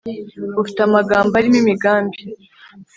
Ufite amagambo arimo imigambi